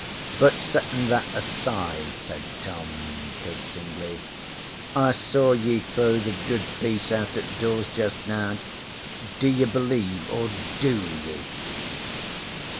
'But settin' that aside?' said Tom, coaxingly. 'I saw ye throw the Good Piece out at doors just now. Do ye believe or do ye?'